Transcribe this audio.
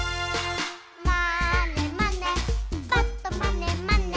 「まーねまねぱっとまねまね」